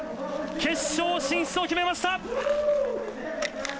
決勝進出を決めました。